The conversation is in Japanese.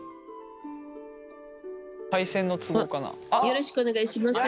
よろしくお願いします。